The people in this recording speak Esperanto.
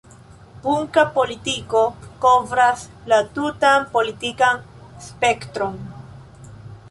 Punka politiko kovras la tutan politikan spektron.